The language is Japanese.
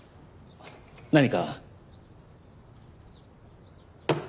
何か？